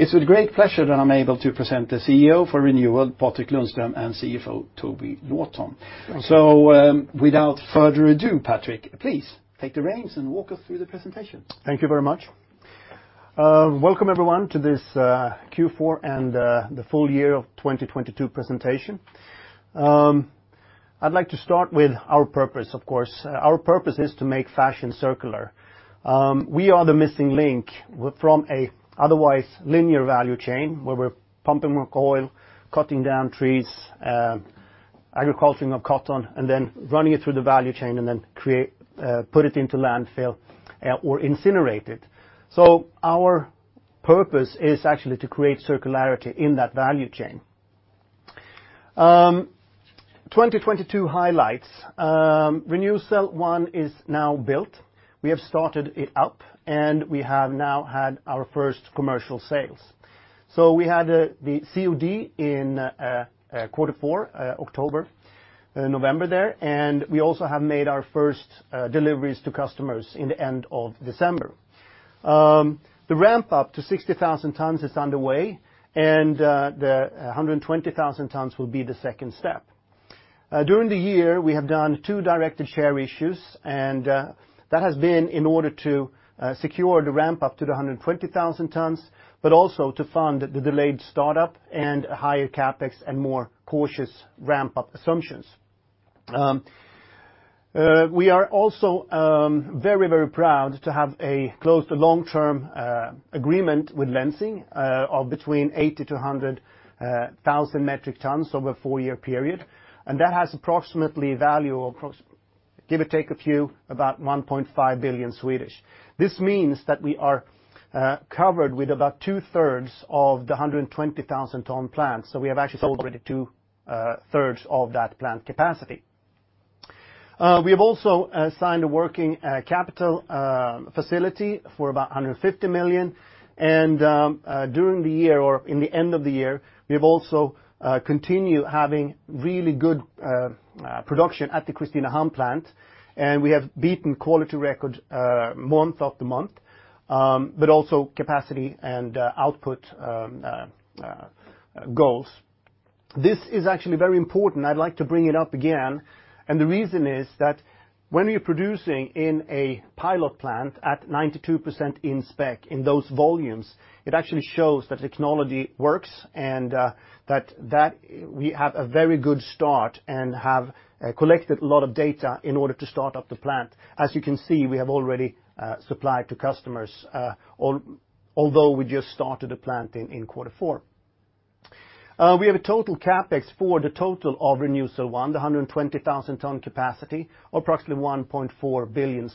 It's with great pleasure that I'm able to present the CEO for Renewcell, Patrik Lundström, and CFO, Toby Lawton. Thank you. Without further ado, Patrik, please take the reins and walk us through the presentation. Thank you very much. Welcome, everyone, to this Q4 and the full year of 2022 presentation. I'd like to start with our purpose, of course. Our purpose is to make fashion circular. We are the missing link from an otherwise linear value chain where we're pumping more oil, cutting down trees, agriculture of cotton, and then running it through the value chain and then put it into landfill or incinerate it. Our purpose is actually to create circularity in that value chain. 2022 highlights. Renewcell 1 is now built. We have started it up, and we have now had our first commercial sales. We had the COD in quarter four, October, November there, and we also have made our first deliveries to customers in the end of December. The ramp-up to 60,000 tons is underway, and the 120,000 tons will be the second step. During the year, we have done two directed share issues. That has been in order to secure the ramp-up to the 120,000 tons, also to fund the delayed startup and a higher CapEx and more cautious ramp-up assumptions. We are also very proud to have a closed long-term agreement with Lenzing of between 80 to 100,000 metric tons over a four-year period. That has approximately value of, give or take a few, about 1.5 billion. This means that we are covered with about two-thirds of the 120,000-ton plan. We have actually sold already two-thirds of that planned capacity. We have also signed a working capital facility for about 150 million. During the year or in the end of the year, we have also continued having really good production at the Kristinehamn plant. We have beaten quality records month after month, also capacity and output goals. This is actually very important. I'd like to bring it up again. The reason is that when you're producing in a pilot plant at 92% in spec in those volumes, it actually shows that technology works and that we have a very good start and have collected a lot of data in order to start up the plant. As you can see, we have already supplied to customers, although we just started the plant in quarter four. We have a total CapEx for the total of Renewcell 1, the 120,000-ton capacity, approximately 1.4 billion.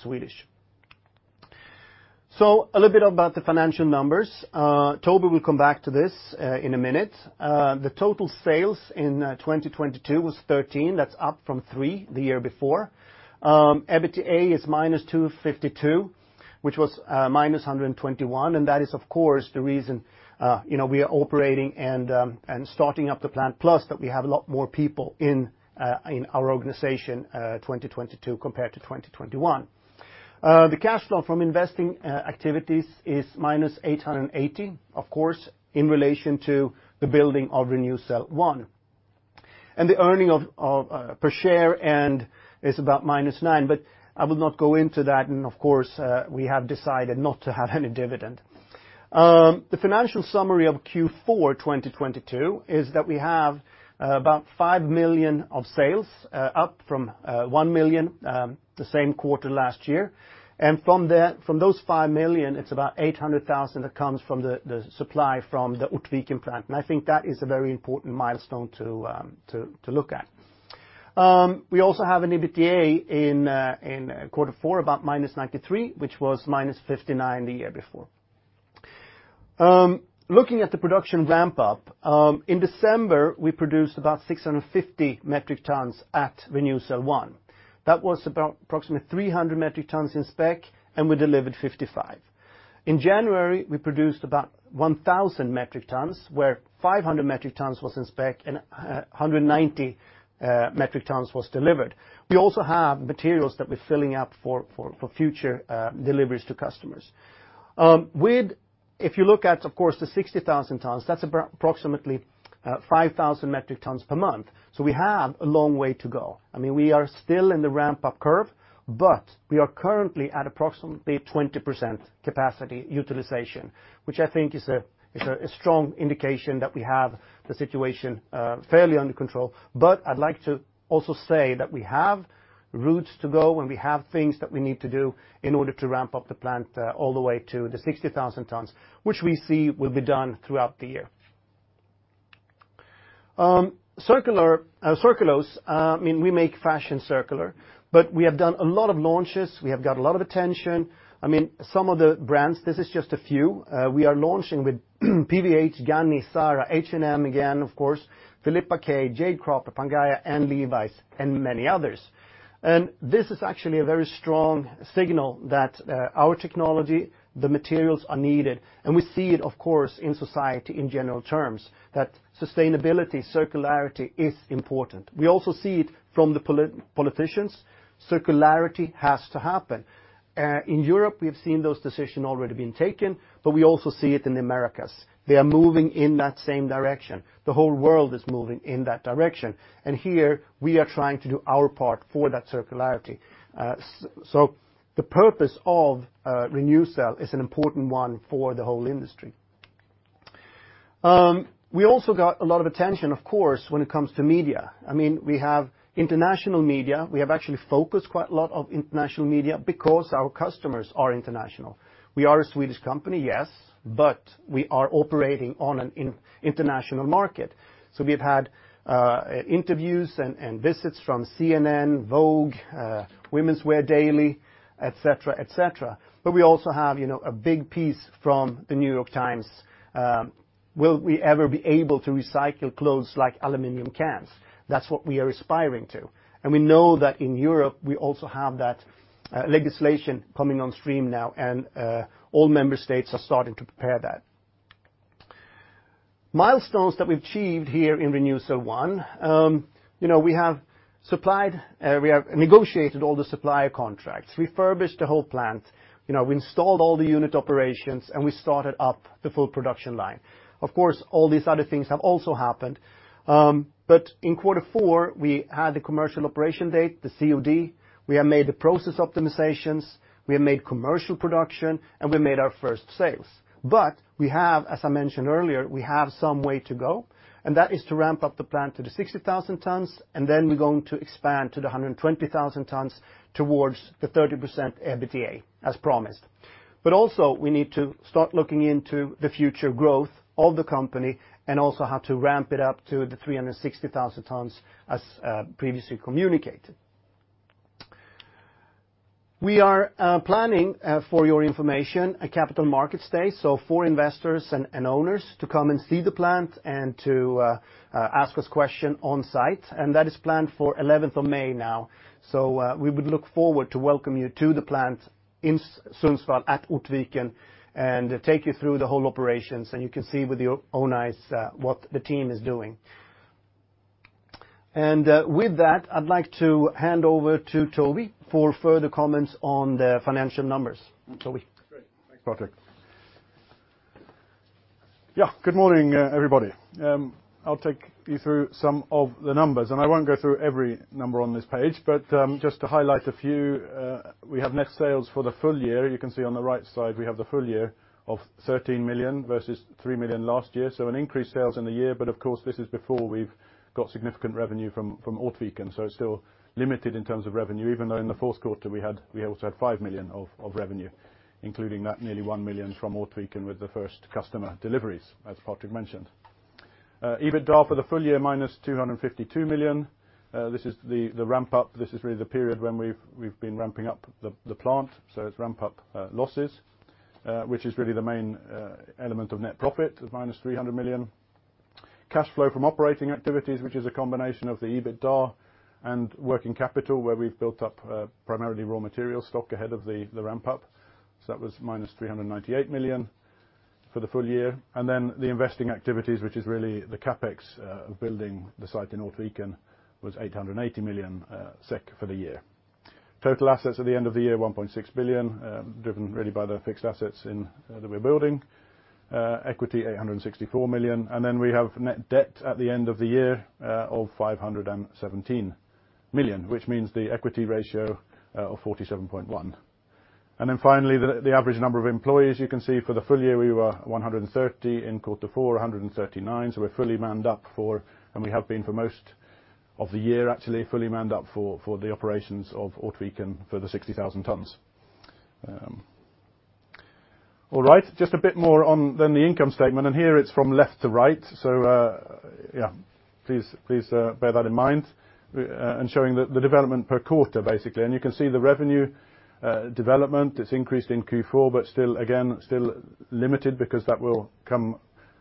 A little bit about the financial numbers. Toby will come back to this in a minute. The total sales in 2022 was 13 million. That's up from 3 million the year before. EBITDA is -252 million, which was -121 million. That is, of course, the reason we are operating and starting up the plant, plus that we have a lot more people in our organization 2022 compared to 2021. The cash flow from investing activities is -880 million, of course, in relation to the building of Renewcell 1. The earning per share is about -9. I will not go into that. Of course, we have decided not to have any dividend. The financial summary of Q4 2022 is that we have about 5 million of sales, up from 1 million the same quarter last year. From those 5 million, it's about 800,000 that comes from the supply from the Ortviken plant. I think that is a very important milestone to look at. We also have an EBITDA in quarter four about -93 million, which was -59 million the year before. Looking at the production ramp-up, in December, we produced about 650 metric tons at Renewcell 1. That was about approximately 300 metric tons in spec. We delivered 55. In January, we produced about 1,000 metric tons, where 500 metric tons was in spec 190 metric tons was delivered. We also have materials that we're filling up for future deliveries to customers. If you look at, of course, the 60,000 tons, that's approximately 5,000 metric tons per month. We have a long way to go. We are still in the ramp-up curve, but we are currently at approximately 20% capacity utilization, which I think is a strong indication that we have the situation fairly under control. I'd like to also say that we have routes to go, and we have things that we need to do in order to ramp up the plant all the way to the 60,000 tons, which we see will be done throughout the year. Circulose, we make fashion circular, but we have done a lot of launches. We have got a lot of attention. Some of the brands, this is just a few. We are launching with PVH, Ganni, Zara, H&M again, of course, Filippa K, Jade Cropper, Pangaia, and Levi's, and many others. This is actually a very strong signal that our technology, the materials are needed, and we see it, of course, in society in general terms, that sustainability, circularity is important. We also see it from the politicians. Circularity has to happen. In Europe, we have seen those decisions already being taken, but we also see it in the Americas. They are moving in that same direction. The whole world is moving in that same direction. Here we are trying to do our part for that circularity. The purpose of Re:NewCell is an important one for the whole industry. We also got a lot of attention, of course, when it comes to media. We have international media. We have actually focused quite a lot of international media because our customers are international. We are a Swedish company, yes, but we are operating on an international market. We've had interviews and visits from CNN, Vogue, Women's Wear Daily, et cetera. We also have a big piece from The New York Times. Will we ever be able to recycle clothes like aluminum cans? That's what we are aspiring to. We know that in Europe, we also have that legislation coming on stream now, and all member states are starting to prepare that. Milestones that we've achieved here in Renewcell 1. We have negotiated all the supplier contracts, refurbished the whole plant, we installed all the unit operations, and we started up the full production line. Of course, all these other things have also happened. In quarter 4, we had the commercial operation date, the COD. We have made the process optimizations, we have made commercial production, and we made our first sales. We have, as I mentioned earlier, we have some way to go, and that is to ramp up the plant to the 60,000 tons, and then we're going to expand to the 120,000 tons towards the 30% EBITDA, as promised. Also, we need to start looking into the future growth of the company and also how to ramp it up to the 360,000 tons, as previously communicated. We are planning, for your information, a capital market stay. For investors and owners to come and see the plant and to ask us question on site, and that is planned for 11th of May now. We would look forward to welcome you to the plant in Sundsvall at Ortviken and take you through the whole operations, and you can see with your own eyes what the team is doing. I'd like to hand over to Toby for further comments on the financial numbers. Toby? Great. Thanks, Patrik. Good morning, everybody. I'll take you through some of the numbers. I won't go through every number on this page, just to highlight a few. We have net sales for the full year. You can see on the right side, we have the full year of 13 million versus 3 million last year. An increased sales in the year, of course, this is before we've got significant revenue from Ortviken, still limited in terms of revenue, even though in the fourth quarter we also had 5 million of revenue, including that nearly 1 million from Ortviken with the first customer deliveries, as Patrik mentioned. EBITDA for the full year, minus 252 million. This is the ramp-up. This is really the period when we've been ramping up the plant. It's ramp-up losses, which is really the main element of net profit of minus 300 million. Cash flow from operating activities, which is a combination of the EBITDA and working capital, where we've built up primarily raw material stock ahead of the ramp-up. That was minus 398 million for the full year. The investing activities, which is really the CapEx of building the site in Ortviken, was 880 million SEK for the year. Total assets at the end of the year, 1.6 billion, driven really by the fixed assets that we're building. Equity, 864 million. We have net debt at the end of the year of 517 million, which means the equity ratio of 47.1%. Finally, the average number of employees. You can see for the full year, we were 130. In quarter four, 139. We're fully manned up for, and we have been for most of the year, actually, fully manned up for the operations of Ortviken for the 60,000 tons. All right. Just a bit more on than the income statement. Here it's from left to right. Please bear that in mind and showing the development per quarter, basically. You can see the revenue development. It's increased in Q4, still, again, still limited because that will come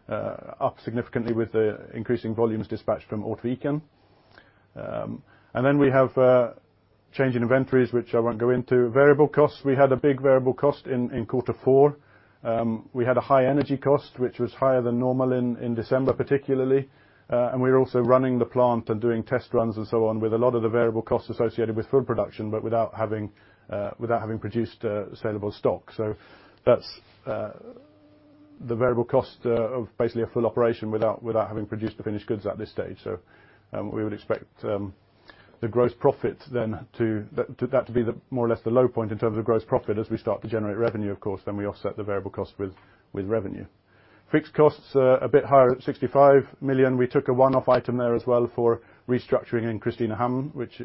up significantly with the increasing volumes dispatched from Ortviken. We have change in inventories, which I won't go into. Variable costs. We had a big variable cost in quarter four. We had a high energy cost, which was higher than normal in December, particularly. We're also running the plant and doing test runs and so on with a lot of the variable costs associated with pulp production, but without having produced saleable stock. That's the variable cost of basically a full operation without having produced the finished goods at this stage. We would expect the gross profit then to that to be the more or less the low point in terms of gross profit as we start to generate revenue, of course, then we offset the variable cost with revenue. Fixed costs are a bit higher at 65 million. We took a one-off item there as well for restructuring in Kristinehamn, which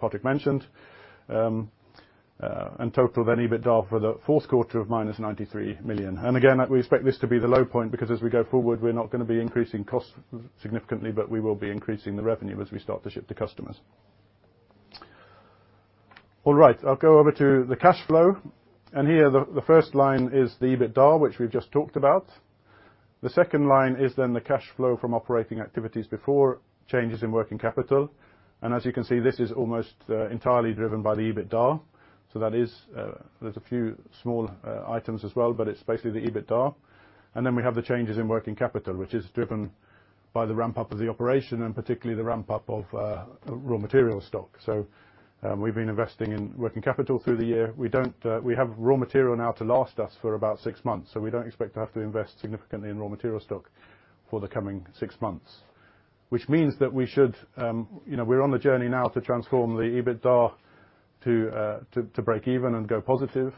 Patrik mentioned. Total, then EBITDA for the fourth quarter of minus 93 million. Again, we expect this to be the low point because as we go forward, we're not going to be increasing costs significantly, but we will be increasing the revenue as we start to ship to customers. All right. I'll go over to the cash flow, here the first line is the EBITDA, which we've just talked about. The second line is then the cash flow from operating activities before changes in working capital. As you can see, this is almost entirely driven by the EBITDA. There's a few small items as well, but it's basically the EBITDA. Then we have the changes in working capital, which is driven by the ramp-up of the operation and particularly the ramp-up of raw material stock. We've been investing in working capital through the year. We have raw material now to last us for about six months. We don't expect to have to invest significantly in raw material stock for the coming six months. Which means that we're on the journey now to transform the EBITDA to break even and go positive,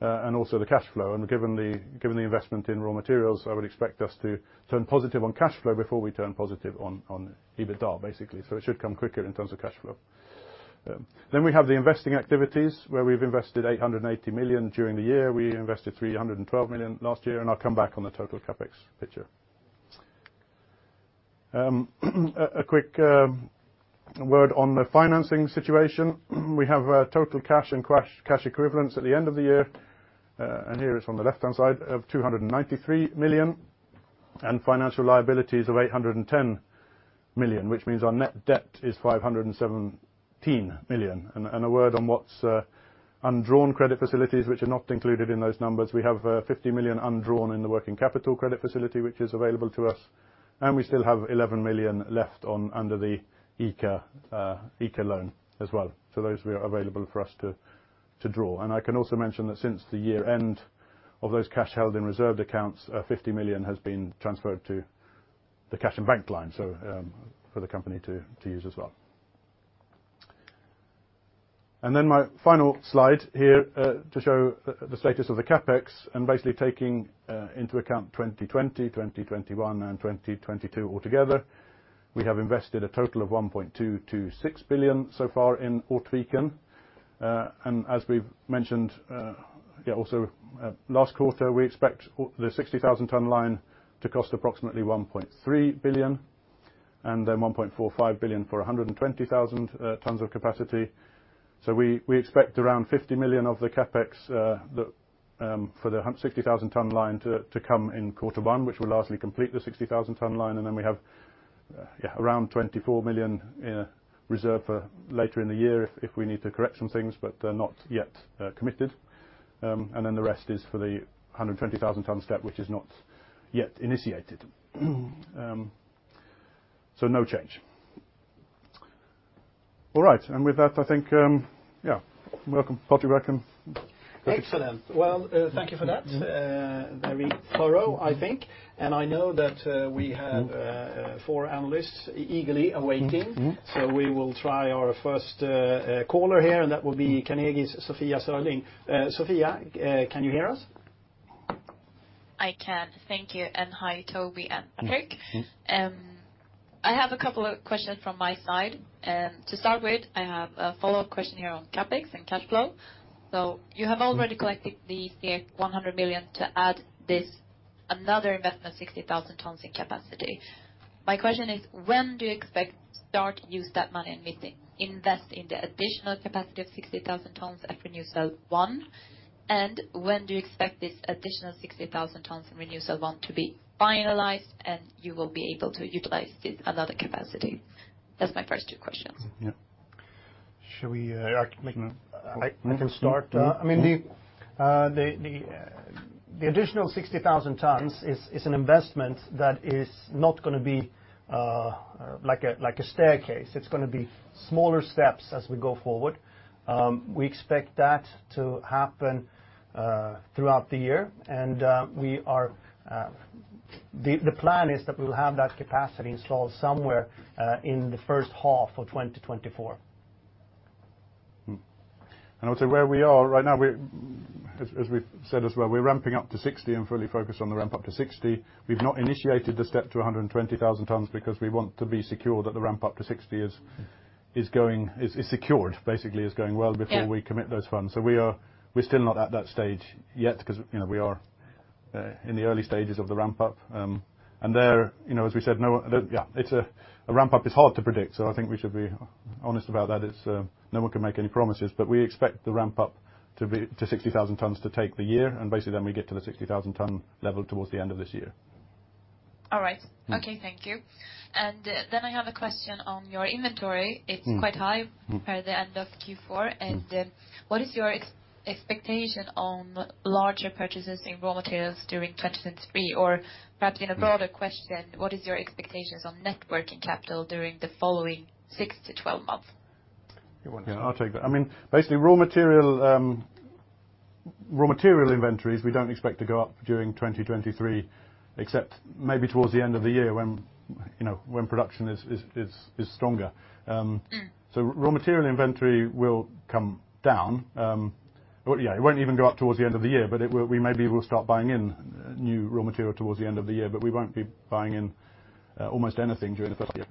and also the cash flow. Given the investment in raw materials, I would expect us to turn positive on cash flow before we turn positive on EBITDA, basically. It should come quicker in terms of cash flow. We have the investing activities, where we've invested 880 million during the year. We invested 312 million last year, and I'll come back on the total CapEx picture. A quick word on the financing situation. We have total cash and cash equivalents at the end of the year, here it's on the left-hand side, of 293 million, and financial liabilities of 810 million, which means our net debt is 517 million. A word on what's undrawn credit facilities, which are not included in those numbers. We have 50 million undrawn in the working capital credit facility, which is available to us. We still have 11 million left under the ECA loan as well. Those are available for us to draw. I can also mention that since the year end, of those cash held in reserved accounts, 50 million has been transferred to the cash and bank line, for the company to use as well. My final slide here to show the status of the CapEx and basically taking into account 2020, 2021, and 2022 all together. We have invested a total of 1.226 billion so far in Ortviken. As we've mentioned, also last quarter, we expect the 60,000-ton line to cost approximately 1.3 billion, then 1.45 billion for 120,000 tons of capacity. We expect around 50 million of the CapEx for the 60,000-ton line to come in quarter one, which will largely complete the 60,000-ton line. We have around 24 million reserved for later in the year if we need to correct some things, but they're not yet committed. The rest is for the 120,000-ton step, which is not yet initiated. No change. All right. With that, I think, yeah. Welcome, Pål-Johan. Excellent. Well, thank you for that. Very thorough, I think. I know that we have four analysts eagerly awaiting. We will try our first caller here, that will be Carnegie's Sofia Sörling. Sofia, can you hear us? I can. Thank you. Hi, Toby and Rick. I have a couple of questions from my side. To start with, I have a follow-up question here on CapEx and cash flow. You have already collected the ECA 100 million to add this, another investment of 60,000 tons in capacity. My question is, when do you expect to start to use that money and invest in the additional capacity of 60,000 tons at Renewcell 1? When do you expect this additional 60,000 tons in Renewcell 1 to be finalized and you will be able to utilize this another capacity? That's my first two questions. Yeah. I can start. The additional 60,000 tons is an investment that is not going to be like a staircase. It's going to be smaller steps as we go forward. We expect that to happen throughout the year. The plan is that we will have that capacity installed somewhere in the first half of 2024. I would say where we are right now, as we've said as well, we're ramping up to 60 and fully focused on the ramp-up to 60. We've not initiated the step to 120,000 tons because we want to be secure that the ramp-up to 60 is secured, basically, is going well before we commit those funds. We're still not at that stage yet because we are in the early stages of the ramp-up. There, as we said, a ramp-up is hard to predict. I think we should be honest about that. No one can make any promises. We expect the ramp-up to 60,000 tons to take the year, and basically then we get to the 60,000 ton level towards the end of this year. All right. Okay. Thank you. Then I have a question on your inventory. It's quite high by the end of Q4. What is your expectation on larger purchases in raw materials during 2023? Or perhaps in a broader question, what is your expectations on net working capital during the following six to 12 months? You want to? I'll take that. Raw material inventories, we don't expect to go up during 2023, except maybe towards the end of the year when production is stronger. Raw material inventory will come down. It won't even go up towards the end of the year, maybe we'll start buying in new raw material towards the end of the year, we won't be buying in almost anything during the first year.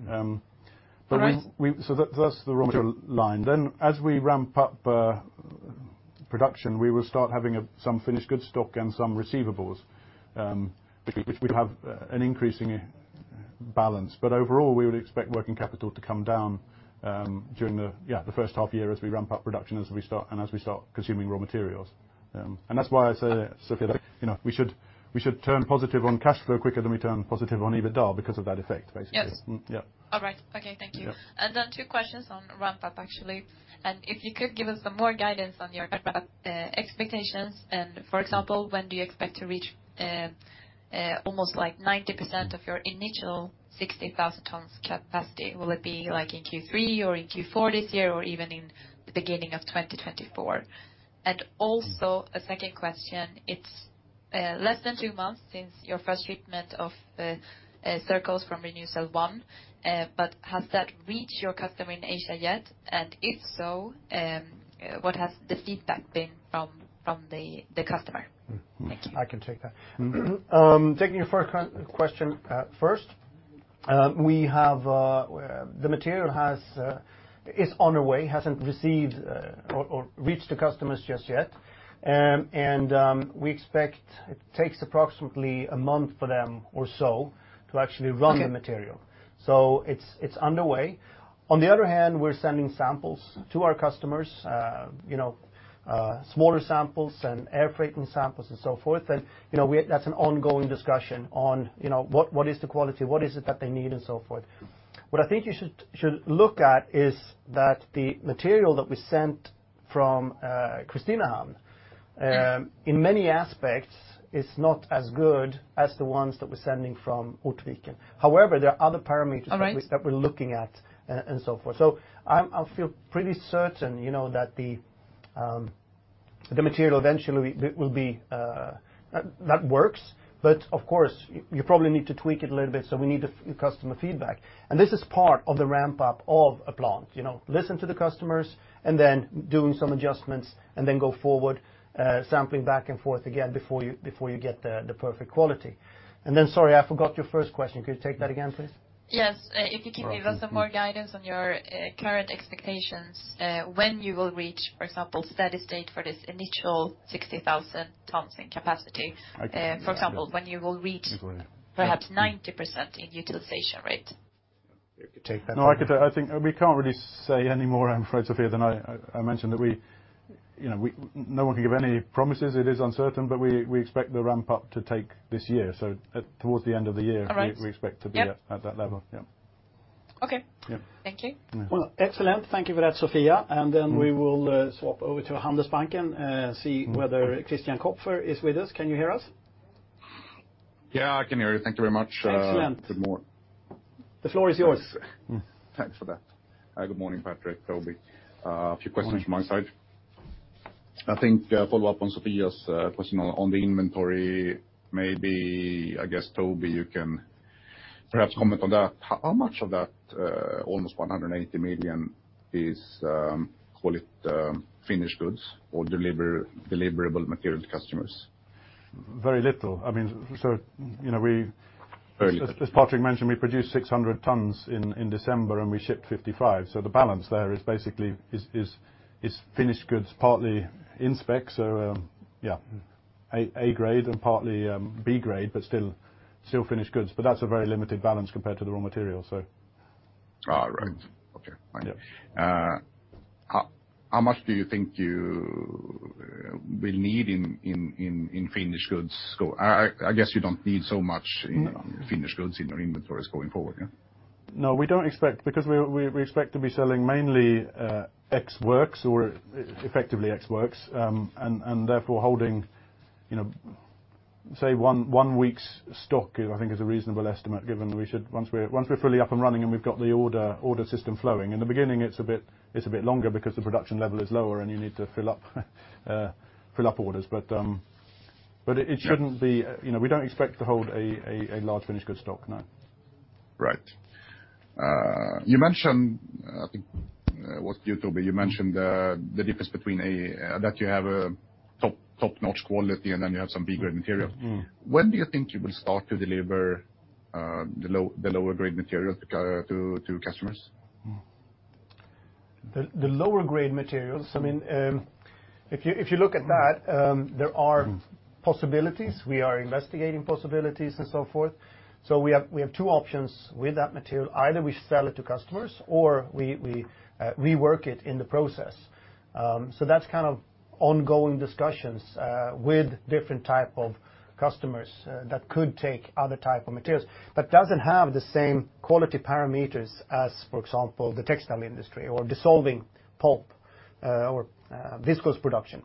All right. That's the raw material line. As we ramp up production, we will start having some finished goods stock and some receivables, which we have an increasing balance. Overall, we would expect working capital to come down during the first half year as we ramp up production and as we start consuming raw materials. That's why I say, Sophia, we should turn positive on cash flow quicker than we turn positive on EBITDA because of that effect, basically. Yes. Yeah. All right. Okay. Thank you. Yeah. Two questions on ramp-up, actually. If you could give us some more guidance on your ramp-up expectations, for example, when do you expect to reach almost 90% of your initial 60,000 tons capacity? Will it be in Q3 or in Q4 this year, or even in the beginning of 2024? A second question, it's less than two months since your first treatment of the Circulose from Renewcell 1, has that reached your customer in Asia yet? If so, what has the feedback been from the customer? Thank you. I can take that. Taking your question first, the material is on our way, hasn't received or reached the customers just yet. We expect it takes approximately a month for them or so to actually run the material. It's on the way. On the other hand, we're sending samples to our customers, smaller samples and air freighting samples and so forth. That's an ongoing discussion on what is the quality, what is it that they need and so forth. What I think you should look at is that the material that we sent from Kristinehamn, in many aspects is not as good as the ones that we're sending from Ortviken. However, there are other parameters- All right that we're looking at and so forth. I feel pretty certain that the material eventually that works. Of course, you probably need to tweak it a little bit, so we need the customer feedback. This is part of the ramp-up of a plant. Listen to the customers and then doing some adjustments, and then go forward sampling back and forth again before you get the perfect quality. Then, sorry, I forgot your first question. Could you take that again, please? Yes. If you could give us some more guidance on your current expectations, when you will reach, for example, steady state for this initial 60,000 tons in capacity. I can take that. For example, when you will reach perhaps 90% in utilization rate. You could take that. No, I could. I think we can't really say any more, I'm afraid, Sofia, than I mentioned. No one can give any promises. It is uncertain, but we expect the ramp-up to take this year. Towards the end of the year. All right. We expect to be at that level. Yeah. Okay. Yeah. Thank you. Well, excellent. Thank you for that, Sofia. Then we will swap over to Handelsbanken, see whether Christian Kopfer is with us. Can you hear us? Yeah, I can hear you. Thank you very much. Excellent. Good morning. The floor is yours. Thanks for that. Hi, good morning, Patrik, Toby. Morning. A few questions from my side. I think follow up on Sofia's question on the inventory. Maybe, I guess, Toby, you can perhaps comment on that. How much of that almost 180 million is, call it, finished goods or deliverable material to customers? Very little. Very little. As Patrik mentioned, we produced 600 tons in December, and we shipped 55. The balance there basically is finished goods, partly in spec. A grade and partly B grade, but still finished goods. That's a very limited balance compared to the raw material. All right. Okay. Thank you. Yeah. How much do you think you will need in finished goods? I guess you don't need so much in finished goods in your inventories going forward, yeah? No, we don't expect, because we expect to be selling mainly ex works or effectively ex works, and therefore holding say one week's stock, I think, is a reasonable estimate given once we're fully up and running and we've got the order system flowing. In the beginning, it's a bit longer because the production level is lower and you need to fill up orders. Yeah We don't expect to hold a large finished goods stock, no. Right. You mentioned, I think it was you, Toby, you mentioned the difference between that you have a top-notch quality, and then you have some B-grade material. When do you think you will start to deliver the lower grade material to customers? The lower grade materials, if you look at that, there are possibilities. We are investigating possibilities and so forth. We have two options with that material. Either we sell it to customers or we rework it in the process. That's kind of ongoing discussions, with different type of customers that could take other type of materials, but doesn't have the same quality parameters as, for example, the textile industry or dissolving pulp, or viscose production.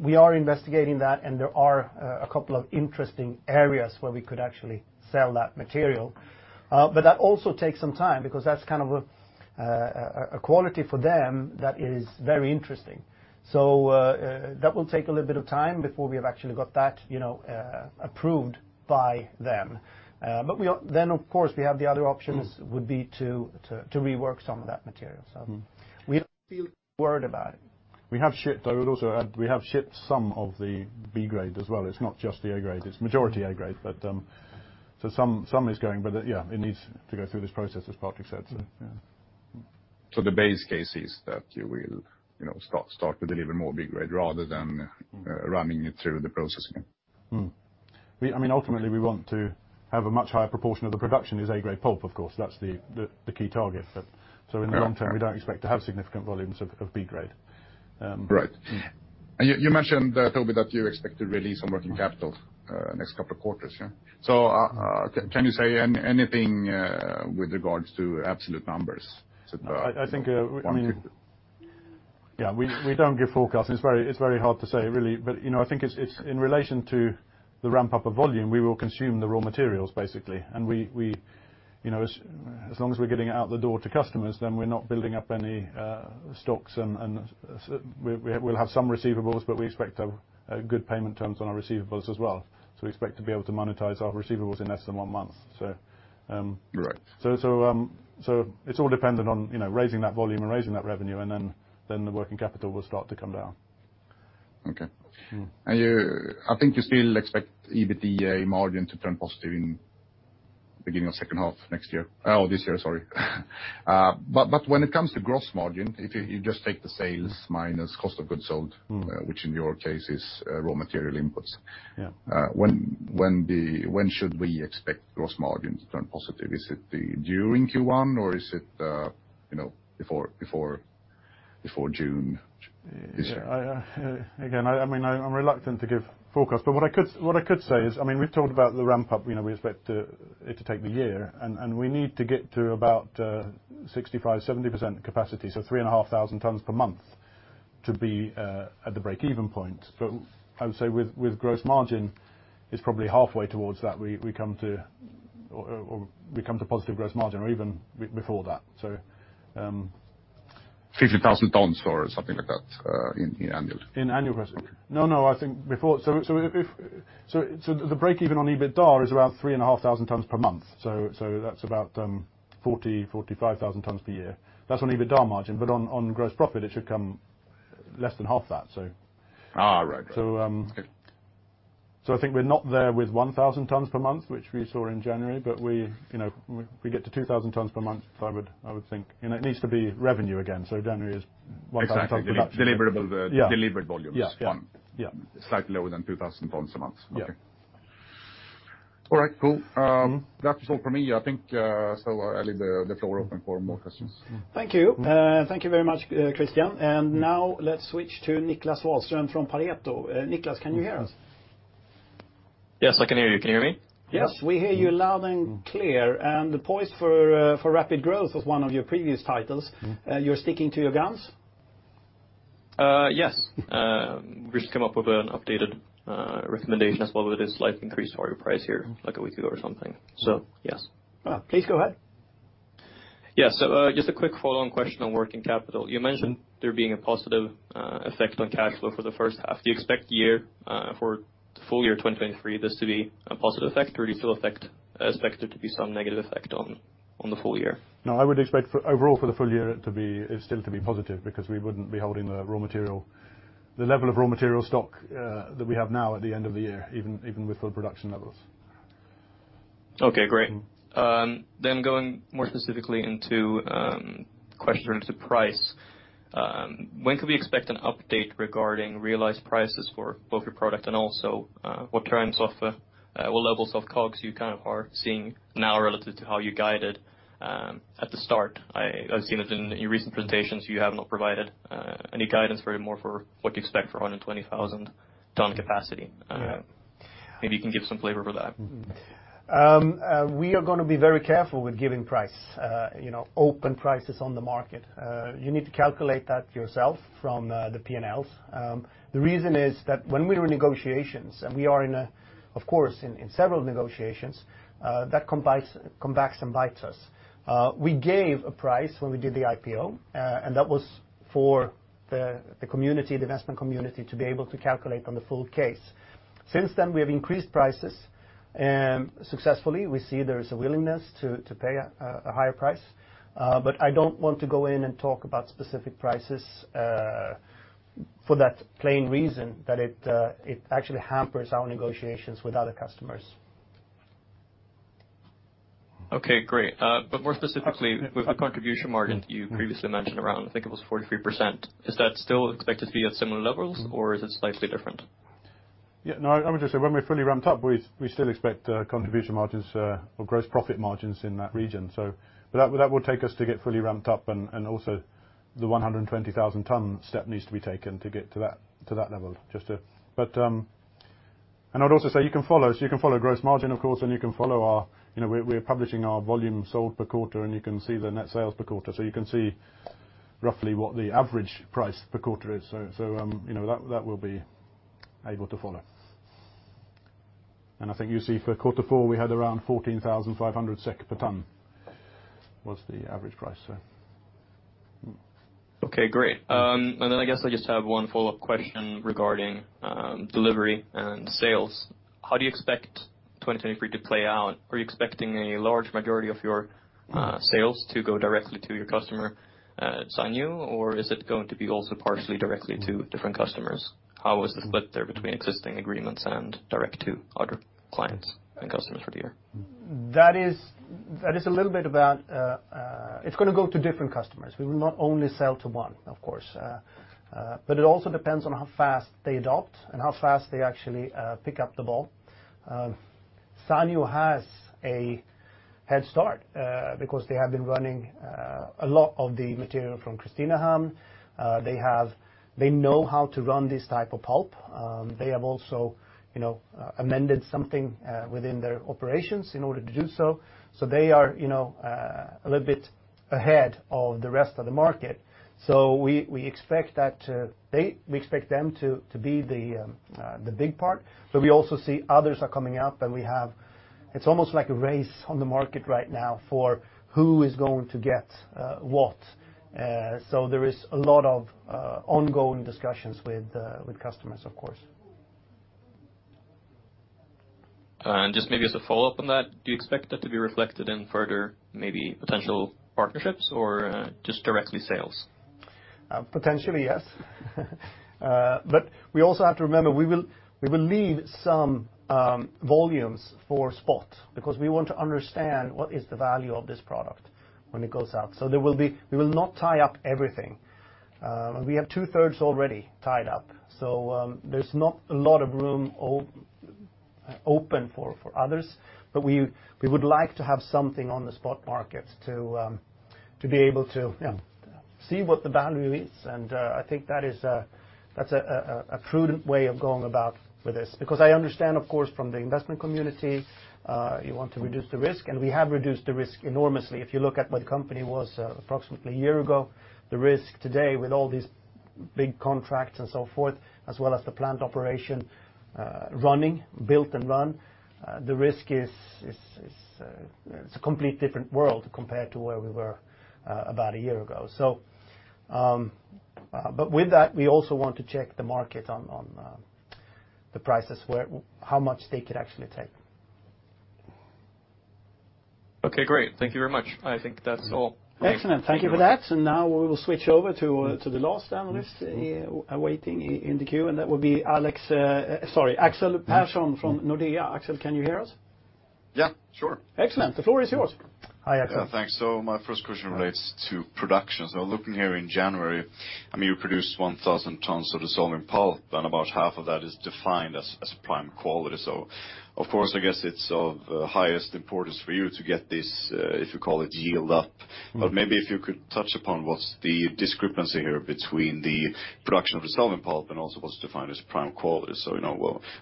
We are investigating that, there are a couple of interesting areas where we could actually sell that material. That also takes some time because that's kind of a quality for them that is very interesting. That will take a little bit of time before we have actually got that approved by them. Then, of course, we have the other options would be to rework some of that material. We don't feel worried about it. We have shipped, I would also add, we have shipped some of the B grade as well. It's not just the A grade. It's majority A grade. Some is going, but yeah, it needs to go through this process, as Patrik said. Yeah. The base case is that you will start to deliver more B grade rather than running it through the process again. Ultimately, we want to have a much higher proportion of the production is A grade pulp, of course. That's the key target. In the long term, we don't expect to have significant volumes of B grade. Right. You mentioned, Toby, that you expect to release some working capital next couple of quarters, yeah? Can you say anything with regards to absolute numbers? I think- One, two. We don't give forecasts. It's very hard to say, really. I think in relation to the ramp up of volume, we will consume the raw materials, basically. As long as we're getting it out the door to customers, then we're not building up any stocks and we'll have some receivables, but we expect to have good payment terms on our receivables as well. We expect to be able to monetize our receivables in less than one month. Right. It's all dependent on raising that volume and raising that revenue, the working capital will start to come down. Okay. I think you still expect EBITDA margin to turn positive in the beginning of second half this year. When it comes to gross margin, if you just take the sales minus cost of goods sold, which in your case is raw material inputs Yeah When should we expect gross margin to turn positive? Is it during Q1 or is it before June this year? I'm reluctant to give forecast, what I could say is, we've talked about the ramp-up, we expect it to take the year, and we need to get to about 65%-70% capacity, so 3,500 tons per month to be at the breakeven point. I would say with gross margin, it's probably halfway towards that we come to positive gross margin or even before that. 50,000 tons or something like that in annual. In annual. No, I think before. The breakeven on EBITDA is around 3,500 tons per month. That's about 40,000-45,000 tons per year. That's on EBITDA margin, but on gross profit, it should come less than half that. Right. Okay. I think we're not there with 1,000 tons per month, which we saw in January. If we get to 2,000 tons per month, I would think. It needs to be revenue again. January is 1,000 tons of production. Exactly. Delivered volumes. Yeah. Slightly lower than 2,000 tons a month. Yeah. Okay. All right, cool. That is all from me, I think. I leave the floor open for more questions. Thank you. Thank you very much, Christian. Now let's switch to Niclas Wahlström from Pareto. Niclas, can you hear us? Yes, I can hear you. Can you hear me? Yes, we hear you loud and clear. The Poised for Rapid Growth was one of your previous titles. You're sticking to your guns? Yes. We just came up with an updated recommendation as well with a slight increase for your price here like a week ago or something. Yes. Please go ahead. Just a quick follow-on question on working capital. You mentioned there being a positive effect on cash flow for the first half. Do you expect for full year 2023 this to be a positive effect, or do you still expect there to be some negative effect on the full year? I would expect overall for the full year it still to be positive, because we wouldn't be holding the level of raw material stock that we have now at the end of the year, even with full production levels. Okay, great. Going more specifically into questions related to price. When could we expect an update regarding realized prices for both your product and also what levels of COGS you are seeing now relative to how you guided at the start? I've seen it in your recent presentations, you have not provided any guidance really more for what you expect for 120,000 ton capacity. Yeah. Maybe you can give some flavor for that. We are going to be very careful with giving open prices on the market. You need to calculate that yourself from the P&Ls. The reason is that when we are in negotiations, and we are, of course, in several negotiations, that comes back and bites us. We gave a price when we did the IPO, and that was for the investment community to be able to calculate on the full case. Since then, we have increased prices successfully. We see there is a willingness to pay a higher price. I don't want to go in and talk about specific prices, for that plain reason that it actually hampers our negotiations with other customers. Okay, great. More specifically, with the contribution margin that you previously mentioned around, I think it was 43%, is that still expected to be at similar levels or is it slightly different? No, I would just say when we're fully ramped up, we still expect contribution margins or gross profit margins in that region. That will take us to get fully ramped up and also the 120,000 ton step needs to be taken to get to that level. I'd also say you can follow gross margin, of course, and we're publishing our volume sold per quarter, and you can see the net sales per quarter. You can see roughly what the average price per quarter is. That will be able to follow. I think you see for quarter four, we had around 14,500 SEK per ton, was the average price. Okay, great. I guess I just have one follow-up question regarding delivery and sales. How do you expect 2023 to play out? Are you expecting a large majority of your sales to go directly to your customer, Sateri, or is it going to be also partially directly to different customers? How is the split there between existing agreements and direct to other clients and customers for the year? It's going to go to different customers. We will not only sell to one, of course. It also depends on how fast they adopt and how fast they actually pick up the ball. Sateri has a headstart, because they have been running a lot of the material from Kristinehamn. They know how to run this type of pulp. They have also amended something within their operations in order to do so. They are a little bit ahead of the rest of the market. We expect them to be the big part, but we also see others are coming up, and it's almost like a race on the market right now for who is going to get what. There is a lot of ongoing discussions with customers, of course. Just maybe as a follow-up on that, do you expect that to be reflected in further maybe potential partnerships or just directly sales? Potentially, yes. We also have to remember, we will leave some volumes for spot because we want to understand what is the value of this product when it goes out. We will not tie up everything. We have two-thirds already tied up, so there's not a lot of room open for others. We would like to have something on the spot market to be able to see what the value is. I think that's a prudent way of going about with this because I understand, of course, from the investment community, you want to reduce the risk, and we have reduced the risk enormously. If you look at what the company was approximately a year ago, the risk today with all these big contracts and so forth, as well as the plant operation running, built and run, the risk is a completely different world compared to where we were about a year ago. With that, we also want to check the market on the prices, how much they could actually take. Okay, great. Thank you very much. I think that's all. Excellent. Thank you for that. Now we will switch over to the last analyst awaiting in the queue, and that will be Axel Persson from Nordea. Axel, can you hear us? Yeah, sure. Excellent. The floor is yours. Hi, Axel. Yeah, thanks. My first question relates to production. Looking here in January, you produced 1,000 tons of dissolving pulp, and about half of that is defined as prime quality. Of course, I guess it's of highest importance for you to get this, if you call it yield up. Maybe if you could touch upon what's the discrepancy here between the production of dissolving pulp and also what's defined as prime quality.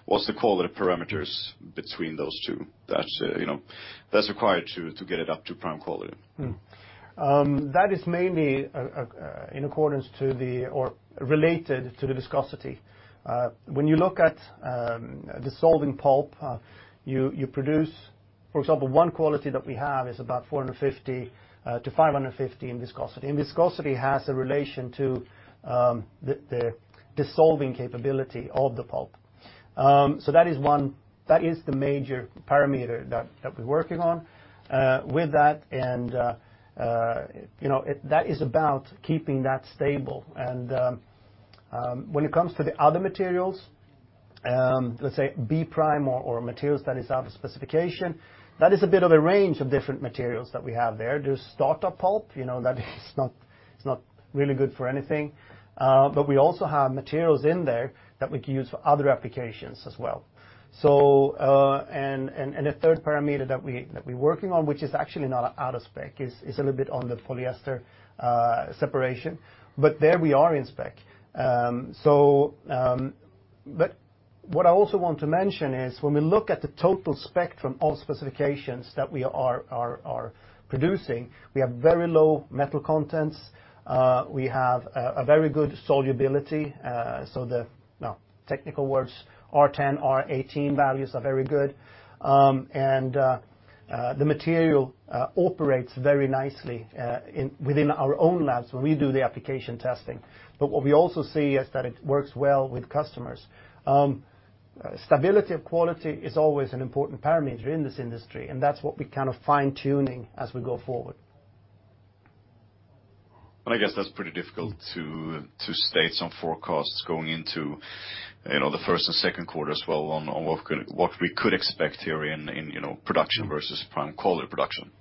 What's the quality parameters between those two that's required to get it up to prime quality? That is mainly in accordance to the, or related to the viscosity. When you look at dissolving pulp, you produce, for example, one quality that we have is about 450 to 550 in viscosity. Viscosity has a relation to the dissolving capability of the pulp. That is the major parameter that we're working on with that, and that is about keeping that stable. When it comes to the other materials, let's say B prime or materials that is out of specification, that is a bit of a range of different materials that we have there. There's startup pulp, that is not really good for anything. We also have materials in there that we can use for other applications as well. A third parameter that we're working on, which is actually not out of spec, is a little bit on the polyester separation. There we are in spec. What I also want to mention is when we look at the total spectrum of specifications that we are producing, we have very low metal contents. We have a very good solubility. The technical words, R10, R18 values are very good. The material operates very nicely within our own labs when we do the application testing. What we also see is that it works well with customers. Stability of quality is always an important parameter in this industry, and that's what we're kind of fine-tuning as we go forward. I guess that's pretty difficult to state some forecasts going into the first and second quarters as well on what we could expect here in production versus prime quality production.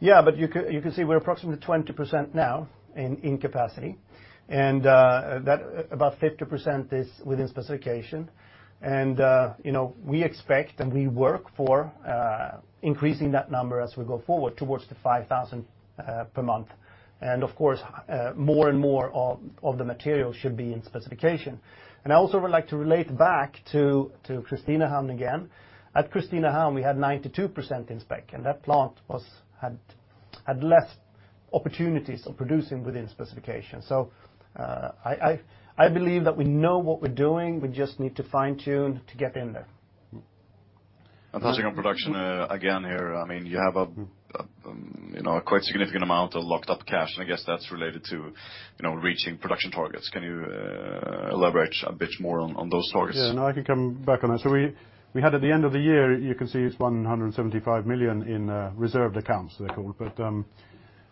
You can see we're approximately 20% now in capacity, and about 50% is within specification. We expect, we work for increasing that number as we go forward towards the 5,000 per month. Of course, more and more of the material should be in specification. I also would like to relate back to Kristinehamn again. At Kristinehamn, we had 92% in spec, and that plant had less opportunities of producing within specification. I believe that we know what we're doing. We just need to fine-tune to get in there. Touching on production again here, you have a quite significant amount of locked-up cash, and I guess that's related to reaching production targets. Can you elaborate a bit more on those targets? I can come back on that. We had at the end of the year, you can see it's 175 million in reserved accounts, they're called.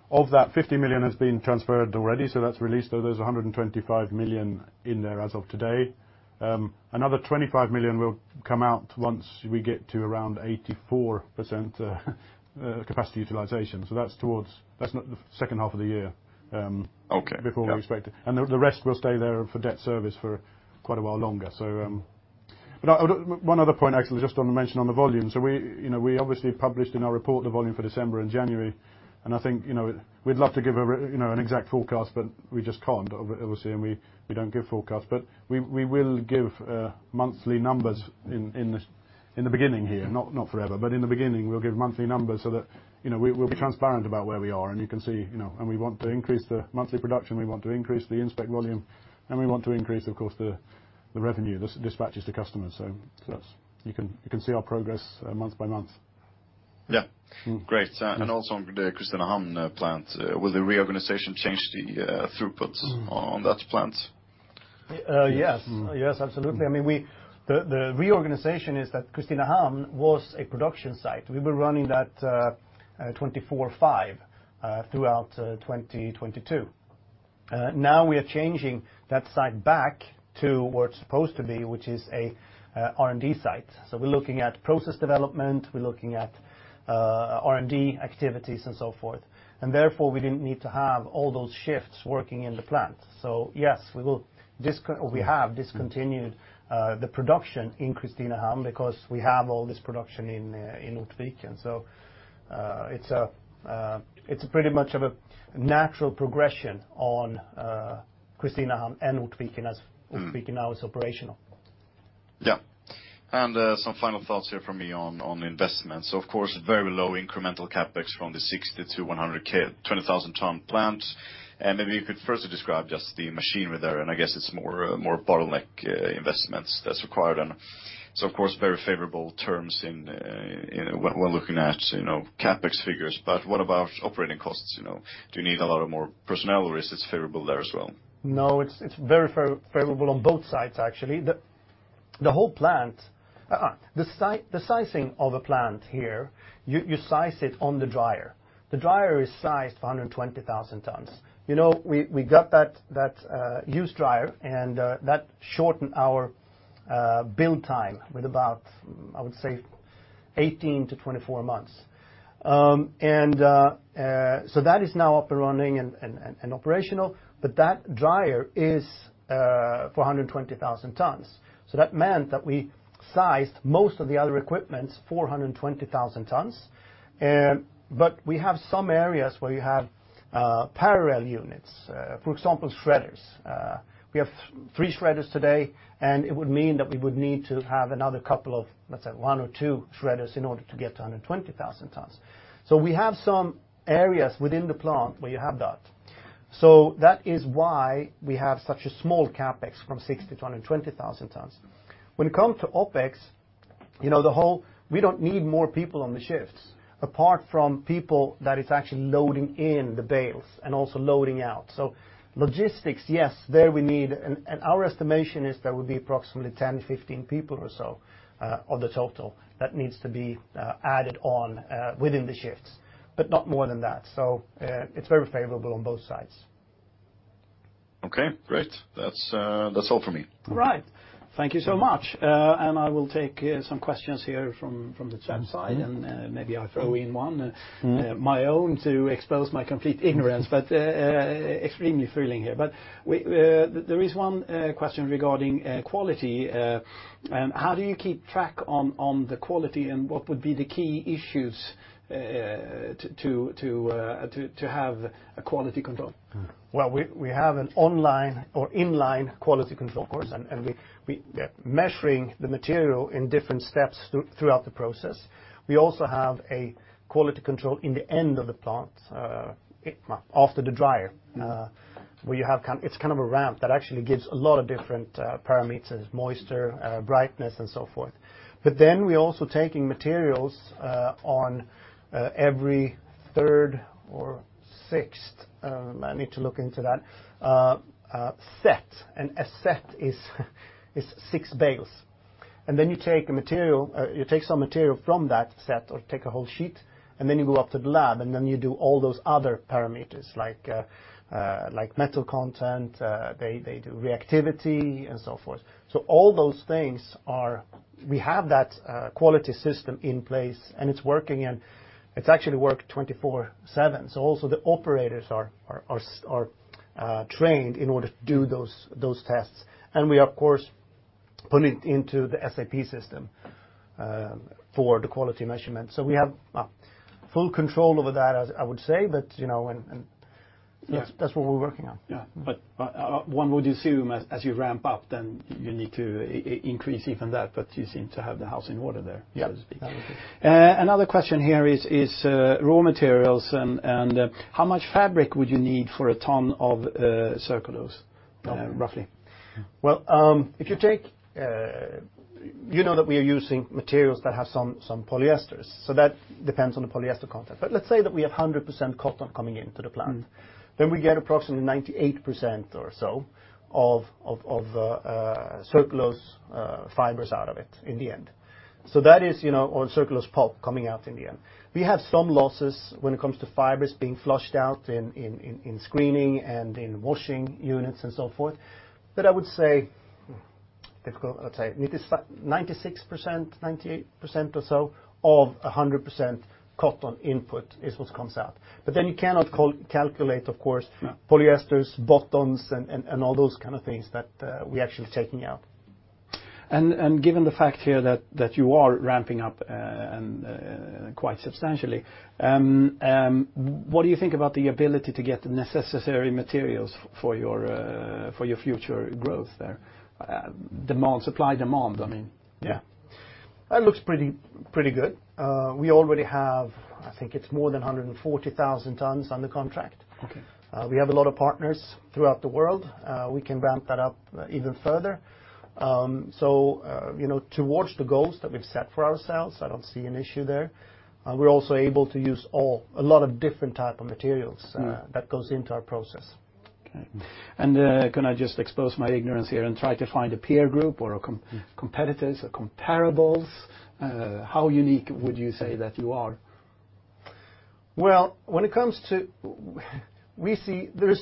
Of that, 50 million has been transferred already, so that's released. There's 125 million in there as of today. Another 25 million will come out once we get to around 84% capacity utilization. That's towards the second half of the year. Okay The rest will stay there for debt service for quite a while longer. One other point, Axel, just want to mention on the volume. We obviously published in our report the volume for December and January, and I think, we'd love to give an exact forecast, but we just can't, obviously, and we don't give forecasts. We will give monthly numbers in the beginning here. Not forever, but in the beginning, we'll give monthly numbers so that we'll be transparent about where we are, and you can see. We want to increase the monthly production, we want to increase the in-spec volume, and we want to increase, of course, the revenue, the dispatches to customers. You can see our progress month by month. Yeah. Great. Also on the Kristinehamn plant, will the reorganization change the throughputs on that plant? Yes, absolutely. The reorganization is that Kristinehamn was a production site. We were running that 24/5 throughout 2022. Now we are changing that site back to what it's supposed to be, which is an R&D site. We're looking at process development, we're looking at R&D activities and so forth. Therefore, we didn't need to have all those shifts working in the plant. Yes, we have discontinued the production in Kristinehamn because we have all this production in Ortviken. It's pretty much of a natural progression on Kristinehamn and Ortviken now it's operational. Yeah. Some final thoughts here from me on investments. Of course, very low incremental CapEx from the 60-120,000 ton plant. Maybe you could first describe just the machinery there, and I guess it's more bottleneck investments that's required. Of course, very favorable terms when looking at CapEx figures. What about operating costs? Do you need a lot more personnel or is it favorable there as well? No, it's very favorable on both sides, actually. The sizing of a plant here, you size it on the dryer. The dryer is sized for 120,000 tons. We got that used dryer and that shortened our build time with about, I would say 18 to 24 months. That is now up and running and operational, but that dryer is for 120,000 tons. That meant that we sized most of the other equipments for 120,000 tons. We have some areas where you have parallel units. For example, shredders. We have three shredders today, and it would mean that we would need to have another couple of, let's say one or two shredders in order to get to 120,000 tons. We have some areas within the plant where you have that. That is why we have such a small CapEx from 60 to 120,000 tons. When it comes to OpEx, we don't need more people on the shifts apart from people that it's actually loading in the bales and also loading out. Logistics, yes, there we need, and our estimation is there will be approximately 10 to 15 people or so, of the total that needs to be added on within the shifts, but not more than that. It's very favorable on both sides. Okay, great. That's all for me. Right. Thank you so much. I will take some questions here from the chat side, and maybe I throw in one my own to expose my complete ignorance, but extremely thrilling here. There is one question regarding quality. How do you keep track on the quality and what would be the key issues to have a quality control? Well, we have an online or inline quality control, of course, and we are measuring the material in different steps throughout the process. We also have a quality control in the end of the plant, after the dryer where it's kind of a ramp that actually gives a lot of different parameters, moisture, brightness, and so forth. We're also taking materials on every third or sixth, I need to look into that, set, and a set is six bales. You take some material from that set or take a whole sheet, and then you go up to the lab, and then you do all those other parameters like metal content, they do reactivity and so forth. All those things are, we have that quality system in place, and it's working and it's actually worked 24/7. Also the operators are trained in order to do those tests. We, of course, put it into the SAP system for the quality measurement. We have full control over that, I would say, and that's what we're working on. Yeah. One would assume as you ramp up, then you need to increase even that, but you seem to have the house in order there, so to speak. Yeah. Another question here is raw materials and how much fabric would you need for a ton of Circulose, roughly? Well, you know that we are using materials that have some polyesters. That depends on the polyester content. Let's say that we have 100% cotton coming into the plant. We get approximately 98% or so of Circulose fibers out of it in the end. That is Circulose pulp coming out in the end. We have some losses when it comes to fibers being flushed out in screening and in washing units and so forth. I would say 96%-98% or so of 100% cotton input is what comes out. You cannot calculate, of course, polyesters, bottoms, and all those kind of things that we're actually taking out. Given the fact here that you are ramping up and quite substantially, what do you think about the ability to get the necessary materials for your future growth there? Supply, demand, I mean. Yeah. That looks pretty good. We already have, I think it's more than 140,000 tons under contract. Okay. We have a lot of partners throughout the world. We can ramp that up even further. Towards the goals that we've set for ourselves, I don't see an issue there. We're also able to use a lot of different type of materials that goes into our process. Okay. Can I just expose my ignorance here and try to find a peer group or competitors or comparables? How unique would you say that you are? Well, there's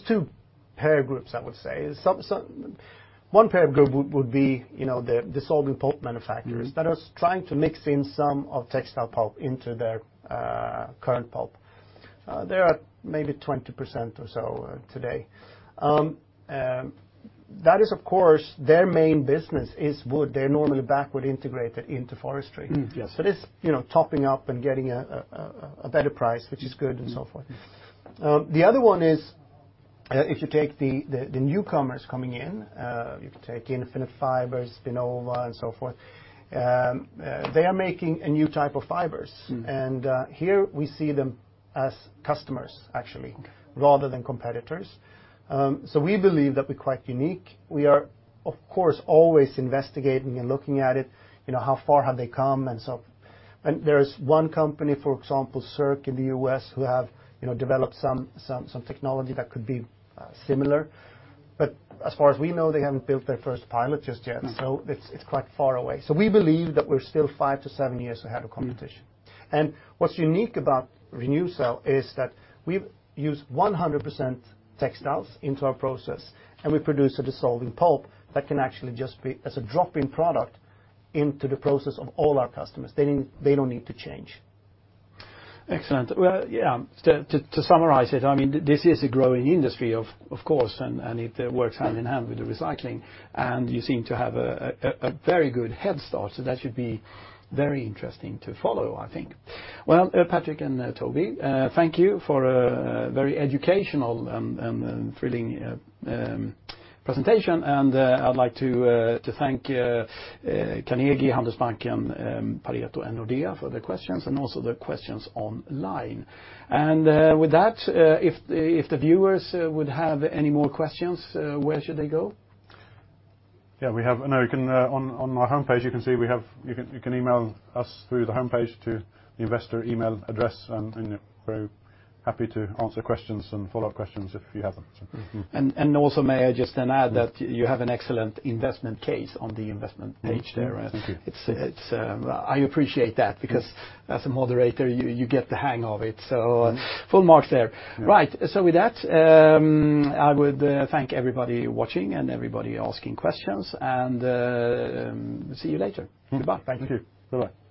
two peer groups, I would say. One peer group would be the dissolving pulp manufacturers that are trying to mix in some of textile pulp into their current pulp. There are maybe 20% or so today. That is, of course, their main business is wood. They're normally backward integrated into forestry. Yes. It is topping up and getting a better price, which is good and so forth. The other one is, if you take the newcomers coming in, you can take Infinited Fiber, Spinnova and so forth. They are making a new type of fibers. Here we see them as customers actually. Okay rather than competitors. We believe that we're quite unique. We are, of course, always investigating and looking at it, how far have they come and so forth. There is one company, for example, Circ in the U.S. who have developed some technology that could be similar, but as far as we know, they haven't built their first pilot just yet. Okay. It's quite far away. We believe that we're still five to seven years ahead of competition. What's unique about Renewcell is that we use 100% textiles into our process, and we produce a dissolving pulp that can actually just be as a drop-in product into the process of all our customers. They don't need to change. Excellent. Well, yeah. To summarize it, this is a growing industry, of course, and it works hand-in-hand with the recycling, and you seem to have a very good head start, so that should be very interesting to follow, I think. Well, Patrik and Toby, thank you for a very educational and thrilling presentation. I'd like to thank Carnegie, Handelsbanken, Pareto, and Nordea for the questions and also the questions online. With that, if the viewers would have any more questions, where should they go? Yeah, on our homepage, you can see you can email us through the homepage to the investor email address. We're happy to answer questions and follow-up questions if you have them. Also may I just then add that you have an excellent investment case on the investment page there. Thank you. I appreciate that because as a moderator, you get the hang of it. Full marks there. Yeah. Right. With that, I would thank everybody watching and everybody asking questions and see you later. Goodbye. Thank you. Thank you. Bye-bye.